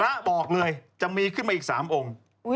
พระบอกเลยจะมีขึ้นมาอีก๓องค์